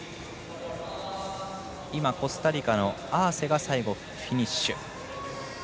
コスタリカのアアセがフィニッシュ。